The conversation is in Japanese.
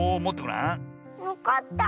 わかった。